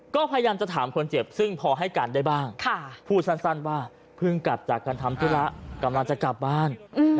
ก็พยายามจะถามคนเจ็บซึ่งพอให้การได้บ้างพูดสั้นว่าเพิ่งกลับจากการทำธุระกำลังจะกลับบ้าน